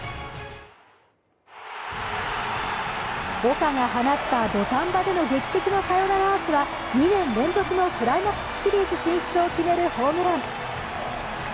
岡が放った土壇場での劇的なサヨナラアーチは２年連続のクライマックスシリーズ進出を決めるホームラン。